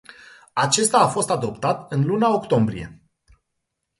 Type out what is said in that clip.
Acesta a fost adoptat în luna octombrie.